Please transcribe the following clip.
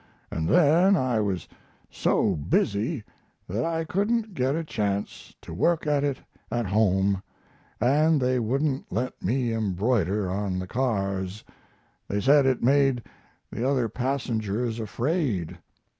And then I was so busy that I couldn't get a chance to work at it at home, and they wouldn't let me embroider on the cars; they said it made the other passengers afraid.